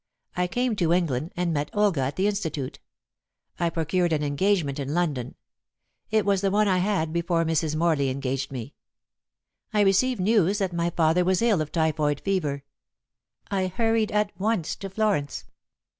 I came to England and met Olga at the Institute. I procured an engagement in London; it was the one I had before Mrs. Morley engaged me. I received news that my father was ill of typhoid fever. I hurried at once to Florence.